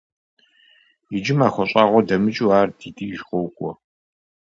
Иджы махуэ щӀагъуэ дэмыкӀыу ар ди деж къокӀуэ.